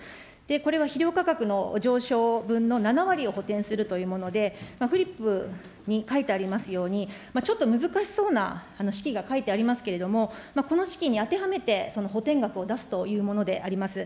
これは肥料価格の上昇分の７割を補てんするというもので、フリップに書いてありますように、ちょっと難しそうな式が書いてありますけれども、この式に当てはめて、その補填額を出すというものであります。